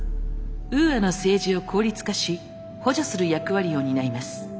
ウーアの政治を効率化し補助する役割を担います。